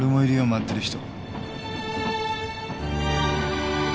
待ってる人。